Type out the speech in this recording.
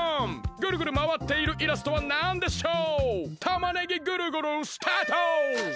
ぐるぐるまわっているイラストはなんでしょう？